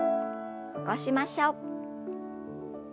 起こしましょう。